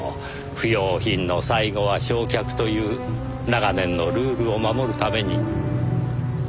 「不要品の最後は焼却」という長年のルールを守るために。